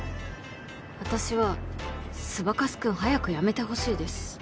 私はスバカスくん早くやめてほしいです